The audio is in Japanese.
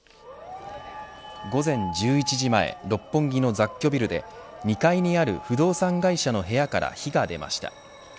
午前１１時前六本木にある雑居ビルで２階にある不動産会社の部屋から火が出ました。